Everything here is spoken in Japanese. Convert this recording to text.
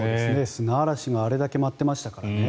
砂嵐があれだけ舞ってましたからね。